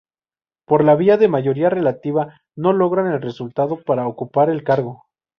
Por la vía de mayoría relativa no logra el resultado para ocupar el cargo.